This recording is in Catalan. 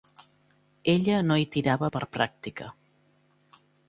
Ella no hi tirava per pràctica